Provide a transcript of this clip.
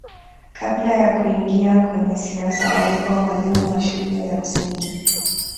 kabla ya kuingia kwenye siasa alikuwa mwalimu wa shule ya msingi